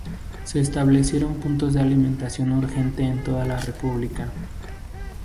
Se establecieron puntos de alimentación urgente en toda la república.